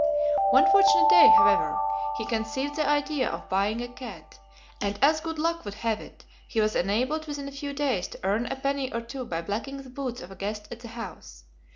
One fortunate day, however, he conceived the idea of buying a cat, and as good luck would have it, he was enabled within a few days to earn a penny or two by blacking the boots of a guest at the house.